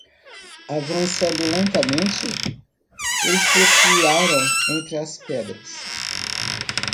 Avançando lentamente?, eles procuraram entre as pedras.